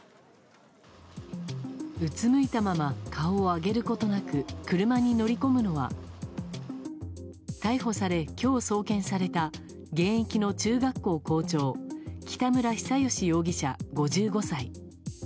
うつむいたまま顔を上げることなく、車に乗り込むのは、逮捕され、きょう送検された現役の中学校校長、北村比左嘉容疑者５５歳。